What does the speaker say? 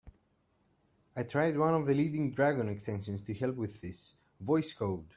I tried one of the leading Dragon extensions to help with this, Voice Code.